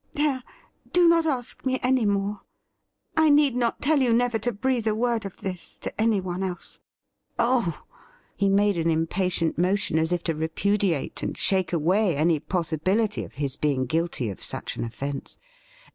There, do not ask me any more. I need not tell you never to breathe a word of this to anyone else.' 'I COULD HAVE LOVED YOU' 103 'Ohr He made an impatient motion as if to repudiate and shake away any possibility of his being guilty of such an offence.